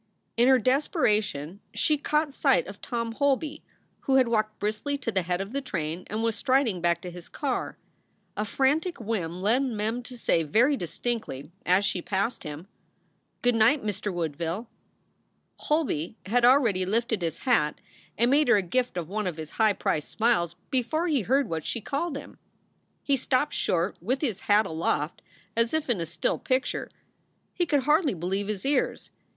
In her desperation she caught sight of Tom Holby, who had walked briskly to the head of the train and was striding back to his car. A frantic whim led Mem to say, very dis tinctly, as she passed him : "Good night, Mr. Woodville." Holby had already lifted his hat and made her a gift of one of his high priced smiles before he heard what she called him. He stopped short with his hat aloft as if in a still pic ture. He could hardly believe his ears.